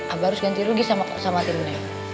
abah harus ganti rugi sama tim neng